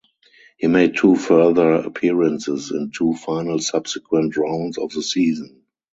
He made two further appearances in two final subsequent rounds of the season.